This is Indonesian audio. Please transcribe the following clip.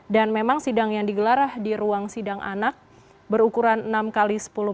dan memang sidang yang digelarah di ruang sidang anak berukuran enam kali sekitar